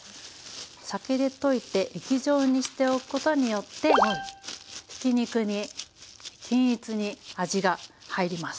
酒で溶いて液状にしておくことによってひき肉に均一に味が入ります。